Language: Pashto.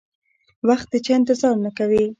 وخت د چا انتظار نه کوي.